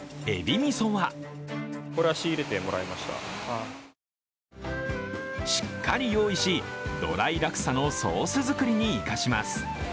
みそはしっかり用意し、ドライラクサのソース作りに生かします。